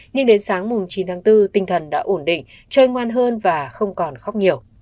nhưng đến sáng chín tháng bốn tinh thần đã ổn định chơi ngoan hơn và không còn khóc nhiều